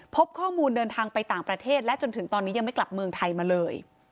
พบข้อมูลเดินทางไปต่างประเทศและจนถึงตอนนี้ยังไม่กลับเมืองไทยมาเลย